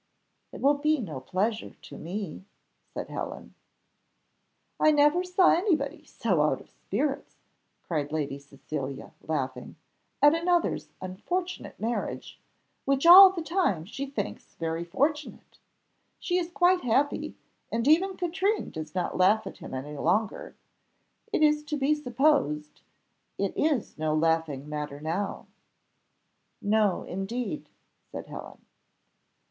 "It will be no pleasure to me," said Helen. "I never saw anybody so out of spirits," cried Lady Cecilia, laughing, "at another's unfortunate marriage, which all the time she thinks very fortunate. She is quite happy, and even Katrine does not laugh at him any longer, it is to be supposed; it is no laughing matter now." "No indeed," said Helen.